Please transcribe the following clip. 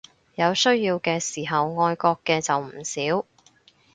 有需要嘅時候愛國嘅就唔少